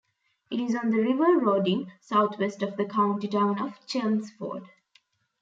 It is on the River Roding, southwest of the county town of Chelmsford.